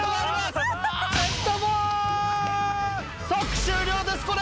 即終了ですこれ！